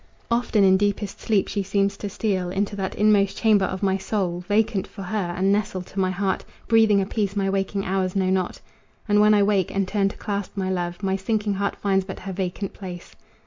Often in deepest sleep she seems to steal Into that inmost chamber of my soul Vacant for her, and nestle to my heart, Breathing a peace my waking hours know not. And when I wake, and turn to clasp my love My sinking heart finds but her vacant place.